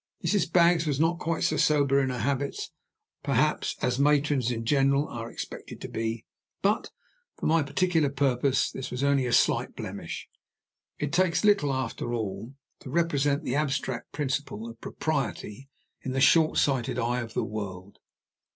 Mrs. Baggs was not quite so sober in her habits, perhaps, as matrons in general are expected to be; but, for my particular purpose, this was only a slight blemish; it takes so little, after all, to represent the abstract principle of propriety in the short sighted eye of the world.